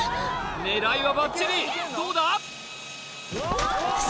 狙いはバッチリどうだ！？